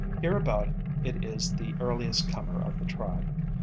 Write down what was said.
Hereabout it is the earliest comer of the tribe.